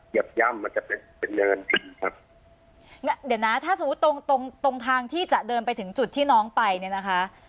ย่ำมันจะเป็นเป็นเนินดินครับเดี๋ยวนะถ้าสมมุติตรงตรงตรงทางที่จะเดินไปถึงจุดที่น้องไปเนี่ยนะคะ